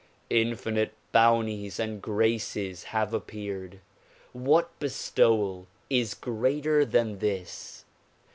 Infinite bounties and graces have appeared. What bestowal is greater than this?